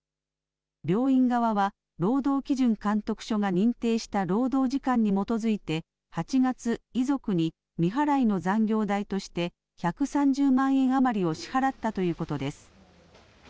病院側は、労働基準監督署が認定した労働時間に基づいて８月、遺族に未払いの残業代として１３０万円余りを支払ったということです。